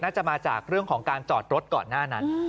น่าจะมาจากเรื่องของการจอดรถก่อนหน้านั้น